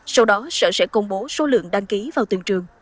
sau đó sở sẽ công bố số lượng đăng ký vào từng trường